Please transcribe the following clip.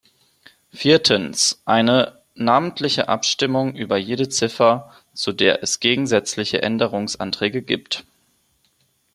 Viertens, eine namentliche Abstimmung über jede Ziffer, zu der es gegensätzliche Änderungsanträge gibt.